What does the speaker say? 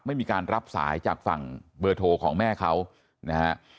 ไม่มีการรับสายจากฝั่งเบอร์โทรของแม่เขานะฮะ